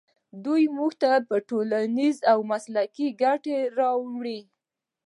دوی موږ ته ټولنیزې او مسلکي ګټې راوړي.